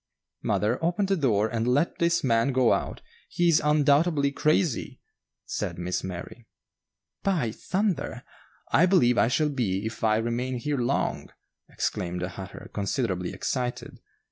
"Mother, open the door and let this man go out; he is undoubtedly crazy," said Miss Mary. "By thunder! I believe I shall be if I remain here long," exclaimed the hatter, considerably excited.